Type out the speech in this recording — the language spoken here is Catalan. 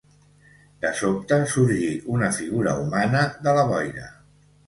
De sobte sorgí una figura humana de la boira.